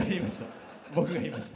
僕が言いました。